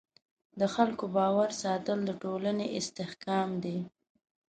د خلکو باور ساتل د ټولنې استحکام دی.